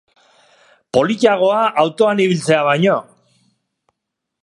Politagoa autoan ibiltzea baino!.